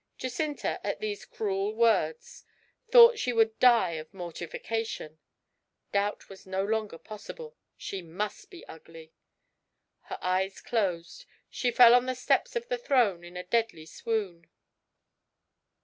Jacinta, at these cruel words, thought she would die of mortification. Doubt was no longer possible, she must be ugly. Her eyes closed, she fell on the steps of the throne in a deadly swoon.